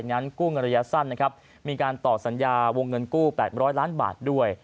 งั้นกู้เงินระยะสั้นนะครับมีการต่อสัญญาวงเงินกู้๘๐๐ล้านบาทด้วย